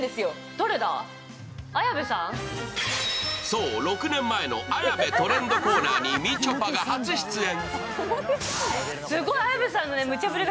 そう６年前の綾部トレンドコーナーにみちょぱが初出演。